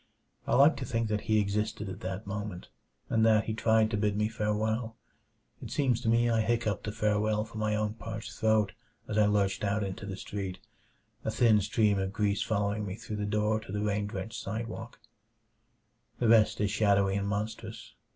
I like to think that he existed at that moment, and that he tried to bid me farewell. It seems to me I hiccupped a farewell from my own parched throat as I lurched out into the street; a thin stream of grease following me through the door to the rain drenched sidewalk. The rest is shadowy and monstrous.